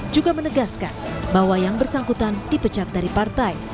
juga menegaskan bahwa yang bersangkutan dipecat dari partai